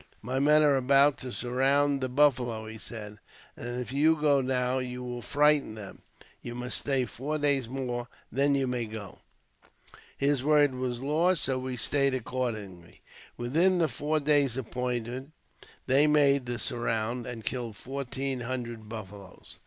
"My men are about to surround the buffalo," he said; "if you go now, you will frighten them. You must stay four days more, then you may go." His word was law, so we stayed accordingly. Within the four days appointed they made "the surround," and killed fourteen hundred buffaloes.